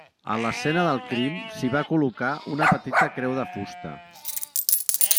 A l'escena del crim s'hi va col·locar una petita creu de fusta.